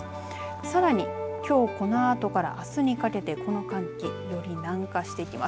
さらにきょうこのあとからあすにかけてこの寒気より南下していきます。